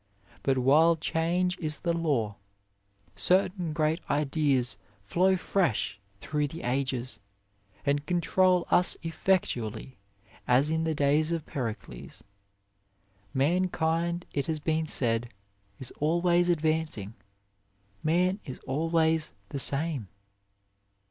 But while change is the law, certain great ideas flow fresh through the ages, and control us effectually as in the days of Pericles. Man kind, it has been said, is always advancing, man is always the same.